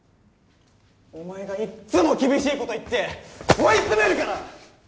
お前がいっつも厳しいこと言って追い詰めるから！